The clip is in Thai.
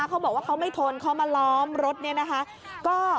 กอนกอดอยู่ตรงหน้าถนนนะค่ะ